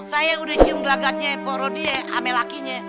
saya udah cium lagatnya koro dia sama lakinya